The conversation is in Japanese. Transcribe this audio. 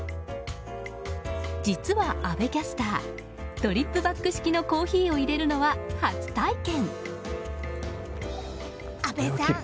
実は、阿部キャスタードリップバッグ式のコーヒーをいれるのは初体験。